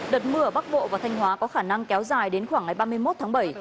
đợt mưa ở bắc bộ và thanh hóa có khả năng kéo dài đến khoảng ngày ba mươi một tháng bảy